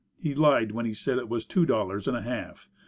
He lied when he said it was two dollars and a half.